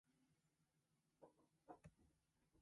空気読めるロボットを本気でつくります。